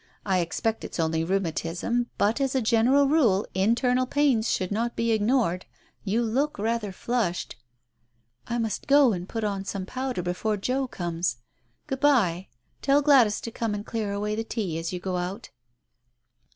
I expect it's only rheumatism, but as a general rule internal pains should not be ignored. You look rather flushed " "I must go and put on some powder before Joe comes. Good bye. Tell Gladys to come and clear away the tea as you go out."